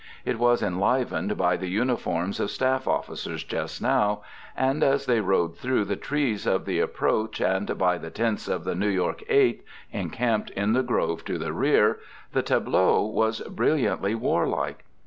It was enlivened by the uniforms of staff officers just now, and as they rode through the trees of the approach and by the tents of the New York Eighth, encamped in the grove to the rear, the tableau was brilliantly warlike.